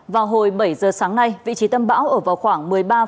vào hồi bảy giờ sáng nay vị trí tâm bão ở vào khoảng một mươi ba